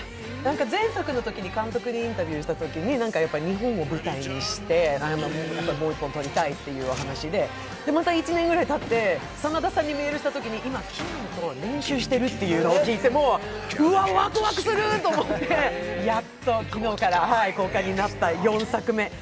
前作のときに監督にインタビューしたときに、日本を舞台にしてもう１本撮りたいというお話で、また１年ぐらいたって真田さんにメールしたときに今練習してるって聞いてワクワクしてやっと昨日から公開になった４作目。